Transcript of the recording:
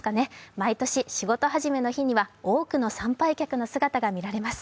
毎年仕事始めの日には多くの参拝客の姿が見られます。